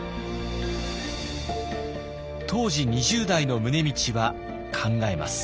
当時２０代の宗理は考えます。